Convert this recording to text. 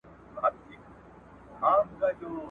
او نه معنوي مرسته ورسره کړې ده !.